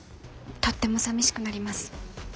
とってもさみしくなります。